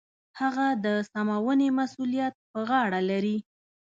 هغه د سمونې مسوولیت په غاړه لري.